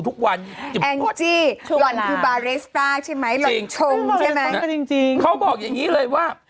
ส่วนวันฮรุบาเลสปากกันจริงเขาบอกอย่างนี้เลยว่า